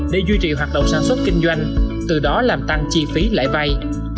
để duy trì hoạt động sản xuất kinh doanh từ đó làm tăng chi phí lãi vay